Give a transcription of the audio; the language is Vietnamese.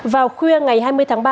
vào khuya ngày hai mươi tháng ba